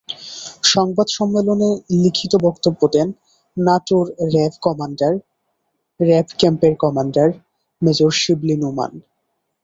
সংবাদ সম্মেলনে লিখিত বক্তব্য দেন নাটোর র্যাব ক্যাম্পের কমান্ডার মেজর শিবলী নোমান।